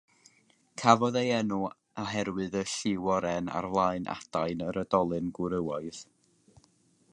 Cafodd ei enw oherwydd y lliw oren ar flaen adain yr oedolyn gwrywaidd.